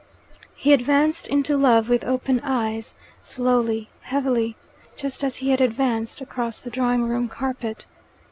He advanced into love with open eyes, slowly, heavily, just as he had advanced across the drawing room carpet.